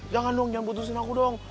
jangan dong yang putusin aku dong